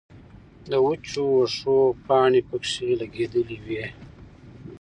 د وچو وښو پانې پکښې لګېدلې وې